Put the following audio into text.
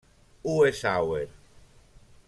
Uwe Sauer